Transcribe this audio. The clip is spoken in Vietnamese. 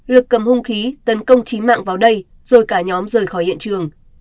rồi cầm hung khí tấn công chí mạng vào đây rồi cả nhóm rời khỏi hiện trường